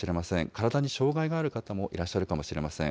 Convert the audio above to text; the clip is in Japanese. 体に障害ある方もいらっしゃるかもしれません。